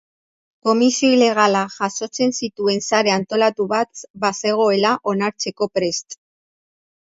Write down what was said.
Komisio ilegalak jasotzen zituen sare antolatu bat bazegoela onartzeko prest.